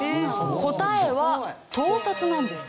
答えは盗撮なんです。